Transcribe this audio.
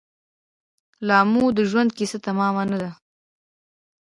لامو د ژوند کیسه تمامه نه ده